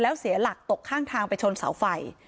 แล้วเสียหลักตกข้างทางไปชนเสาไฟ